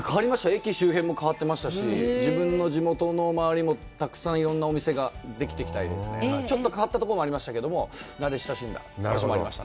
駅周辺も変わってましたし、自分の地元の周りもたくさんいろんなお店ができてきたりですね、ちょっと変わったとこもありましたけれども、なれ親しんだ場所もありました。